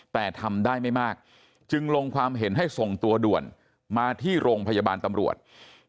แต่ทำได้ไม่มากจึงลงความเห็นให้ส่งตัวด่วนมาที่โรงพยาบาลตำรวจ